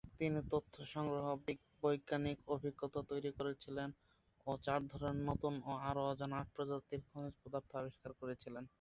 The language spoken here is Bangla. তিনি তথ্য সংগ্রহ, বৈজ্ঞানিক অভিজ্ঞতা তৈরি করেছিলেন এবং চার ধরনের নতুন ও আরো অজানা আট প্রজাতির খনিজ পদার্থ আবিষ্কার করেছিলেন।